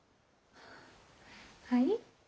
はい？